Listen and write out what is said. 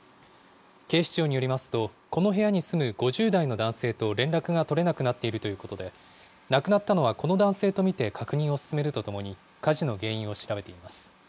警視庁によりますと、この部屋に住む５０代の男性と連絡が取れなくなっているということで、亡くなったのはこの男性と見て確認を進めるとともに、火事の原因を調べています。